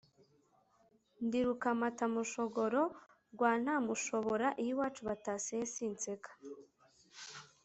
Ndi Rukamatamushogoro rwa Ntamushobora iyo iwacu bataseye sinseka.